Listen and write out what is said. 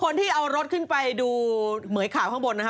คนที่เอารถขึ้นไปดูเหมือยข่าวข้างบนนะฮะ